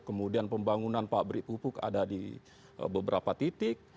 kemudian pembangunan pabrik pupuk ada di beberapa titik